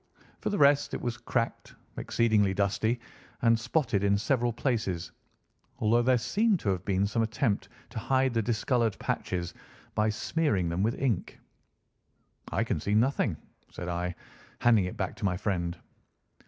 For the rest, it was cracked, exceedingly dusty, and spotted in several places, although there seemed to have been some attempt to hide the discoloured patches by smearing them with ink. "I can see nothing," said I, handing it back to my friend.